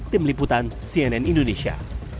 tim liputan cnn indonesia